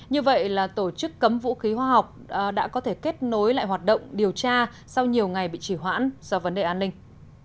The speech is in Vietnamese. như vậy là tổ chức cấm vũ khí hóa học đã có thể kết nối lại hoạt động điều tra sau nhiều ngày bị chỉ hoãn do vấn đề an ninh